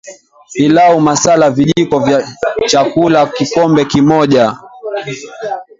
Pilau masala Vijiko vya chakula kikombe kimoja